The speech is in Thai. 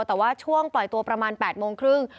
แต่ว่าช่วงปล่อยตัวประมาณ๘โมงครึ่ง